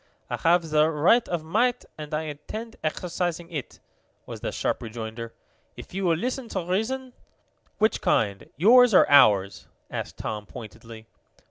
"I have the right of might, and I intend exercising it," was the sharp rejoinder. "If you will listen to reason " "Which kind yours or ours?" asked Tom pointedly.